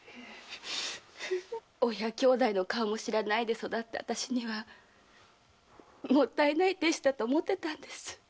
親兄弟の顔も知らないで育った私にはもったいない亭主だと思ってたんです。